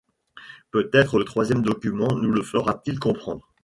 Peut-être le troisième document nous le fera-t-il comprendre.